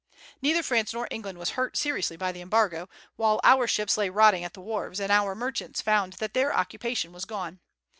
Neither France nor England was hurt seriously by the Embargo, while our ships lay rotting at the wharves, and our merchants found that their occupation was gone.